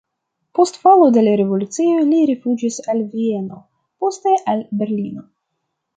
Post falo de la revolucio li rifuĝis al Vieno, poste al Berlino.